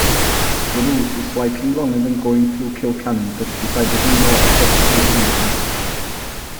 The route is slightly longer than going through Killcanon but decidedly more aesthetically pleasing.